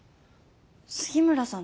杉村さん